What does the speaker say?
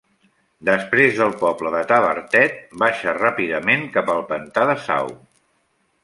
Després del poble de Tavertet, baixa ràpidament cap al pantà de Sau.